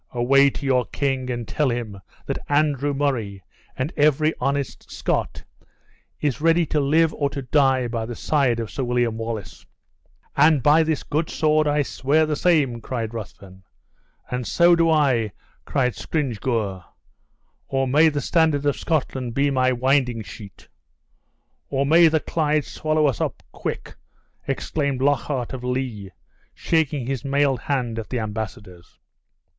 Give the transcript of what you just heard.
Away to your king and tell him that Andrew Murray, and every honest Scot, is ready to live or to die by the side of Sir William Wallace." "And by this good sword I swear the same!" cried Ruthven. "And so do I!" rejoined Scrymgeour, "or may the standard of Scotland be my winding sheet!" "Or may the Clyde swallow us up, quick!" exclaimed Lockhart of Lee, shaking his mailed hand at the embassadors.